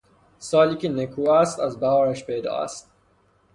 سالی که نکواست ازبهارش پیدااست